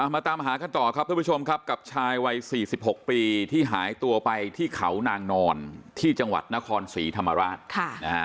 มาตามหากันต่อครับท่านผู้ชมครับกับชายวัย๔๖ปีที่หายตัวไปที่เขานางนอนที่จังหวัดนครศรีธรรมราช